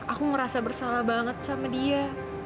aku merasa bersalah banget sama dia